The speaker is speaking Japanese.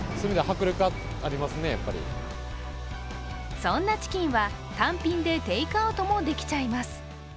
そんなチキンは単品でテークアウトもできちゃいます。